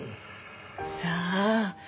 さあ。